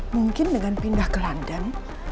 mungkin dengan pindah ke london